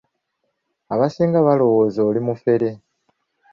Abasinga balowooza oli mufere.